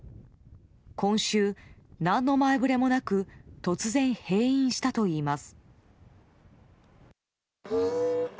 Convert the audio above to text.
今週、何の前触れもなく突然、閉院したといいます。